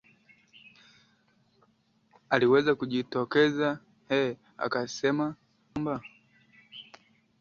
aliweza kujitokeza eh akasema kwamba